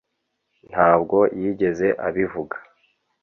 Ntabwo yigeze abivuga